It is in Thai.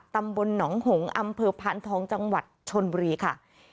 ตำบลหนองหงษ์อำเภอพานทองจังหวัดชนบุรีค่ะ